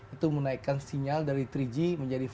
itu menaikkan sinyal dari tiga g menjadi empat g